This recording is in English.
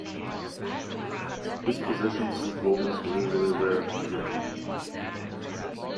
His possessions and clothings were usually rare and beautiful.